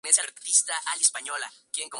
Mitsuo Ogasawara